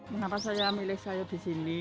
mengapa saya milih saya di sini